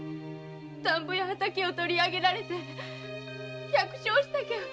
田圃や畑を取り上げられ百姓したきゃ